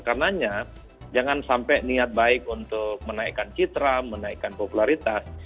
karenanya jangan sampai niat baik untuk menaikkan citra menaikkan popularitas